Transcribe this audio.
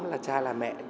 là cha là mẹ